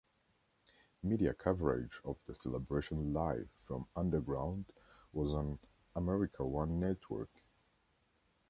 Media coverage of the celebration live from Underground was on America One network.